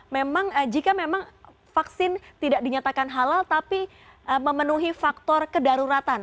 memang jika memang vaksin tidak dinyatakan halal tapi memenuhi faktor kedaruratan